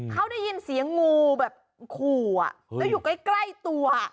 เขาได้ยินเสียงงูแบบขู่แล้วอยู่ใกล้ตัว